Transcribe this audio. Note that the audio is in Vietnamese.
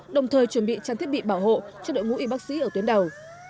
đồng thời chuẩn bị trang thiết bị bảo hộ cho đội ngũ y bác sĩ ở tuyến đầu